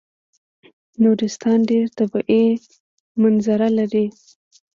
نورستان ډېر طبیعي مناظر لري.